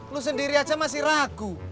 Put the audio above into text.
lu sendiri aja masih ragu